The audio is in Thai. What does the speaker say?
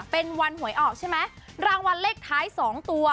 เป็นวันหวยออกใช่ไหมรางวัลเลขท้าย๒ตัว